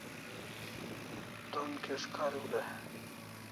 Don kish kariu day